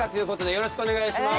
よろしくお願いします。